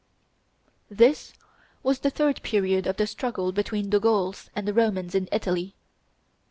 This was the third period of the struggle between the Gauls and the Romans in Italy.